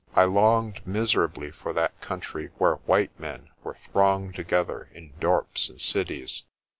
I longed miserably for that country where white men were thronged together in dorps and cities.